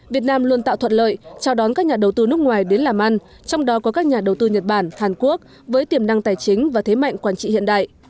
việt nam luôn tạo thuận lợi chào đón các nhà đầu tư nước ngoài đến làm ăn trong đó có các nhà đầu tư nhật bản hàn quốc với tiềm năng tài chính và thế mạnh quản trị hiện đại